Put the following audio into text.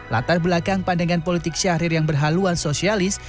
latar belakang pandangan politik syahrir yang berhaluan sosialis